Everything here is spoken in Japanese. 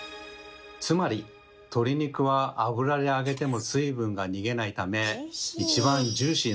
つまり鶏肉は油で揚げても水分が逃げないため一番ジューシーなんです。